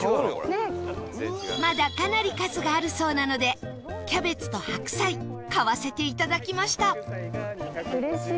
まだかなり数があるそうなのでキャベツと白菜買わせていただきました